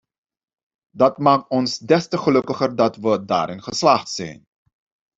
Dat maakt ons des te gelukkiger dat wij daarin geslaagd zijn.